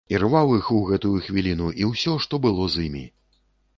Ірваў іх у гэтую хвіліну і ўсё, што было з імі.